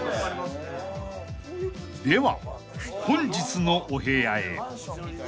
［では本日のお部屋へ］